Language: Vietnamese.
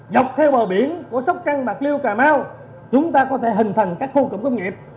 dọc theo bờ biển của sóc trăng bạc liêu cà mau chúng ta có thể hình thành các khu cụm công nghiệp